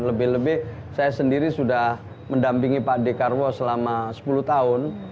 lebih lebih saya sendiri sudah mendampingi pak dekarwo selama sepuluh tahun